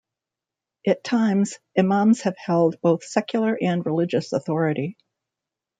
At times, imams have held both secular and religious authority.